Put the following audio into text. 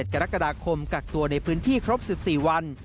กรกฎาคมกักตัวในพื้นที่ครบ๑๔วัน